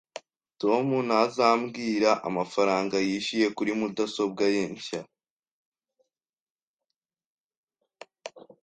Tom ntazambwira amafaranga yishyuye kuri mudasobwa ye nshya